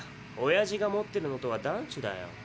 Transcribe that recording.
おやじが持ってるのとは段チだよ。